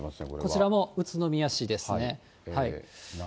こちらも宇都宮市ですね。